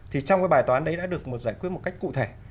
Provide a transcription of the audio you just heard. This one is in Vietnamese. thì trong cái bài toán đấy đã được một giải quyết một cách cụ thể